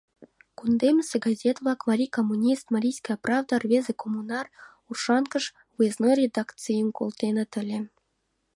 Кундемысе газет-влак — «Марий коммунист», «Марийская правда», «Рвезе коммунар» — Оршанкыш выездной редакцийым колтеныт ыле.